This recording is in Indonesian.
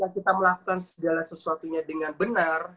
karena kita melakukan segala sesuatunya dengan benar